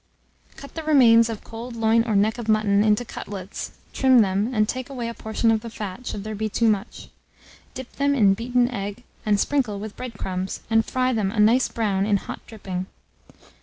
Cut the remains of cold loin or neck of mutton into cutlets, trim them, and take away a portion of the fat, should there be too much; dip them in beaten egg, and sprinkle with bread crumbs, and fry them a nice brown in hot dripping.